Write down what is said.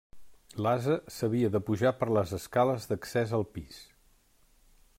L’ase s’havia de pujar per les escales d’accés al pis.